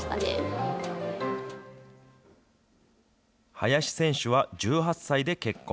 林選手は１８歳で結婚。